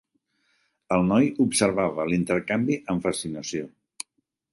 El noi observava l'intercanvi amb fascinació.